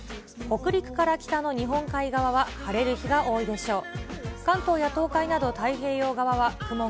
北陸から北の日本海側は晴れる日が多いでしょう。